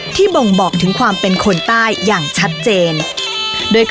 คุณผู้ชมอยู่กับดิฉันใบตองราชนุกูลที่จังหวัดสงคลาค่ะ